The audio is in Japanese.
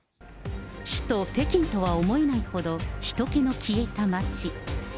首都北京とは思えないほど、人けの消えた街。